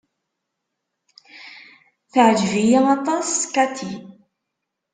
Teɛjeb-iyi aṭas Cathy.